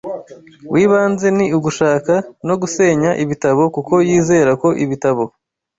wibanze ni ugushaka no gusenya ibitabo kuko yizera ko ibitabo